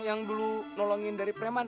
yang dulu nolongin dari preman